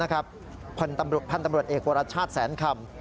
พันธุ์ตำรวจเอกวรชาติแสนคำ